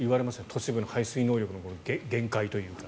都市部の排水能力の限界というか。